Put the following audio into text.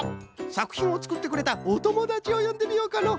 さくひんをつくってくれたおともだちをよんでみようかの。